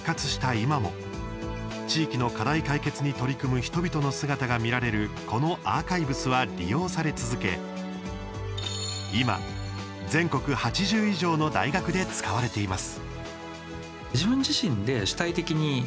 今も地域の課題解決に取り組む人々の姿が見られるこのアーカイブスは利用され続け今、全国８０以上の大学で使われています。